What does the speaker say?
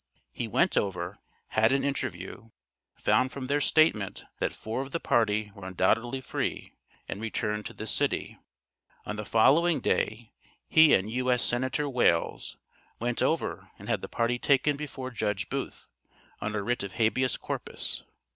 He went over, had an interview, found from their statement, that four of the party were undoubtedly free, and returned to this city. On the following day, he and U.S. Senator Wales, went over and had the party taken before Judge Booth, on a writ of habeas corpus.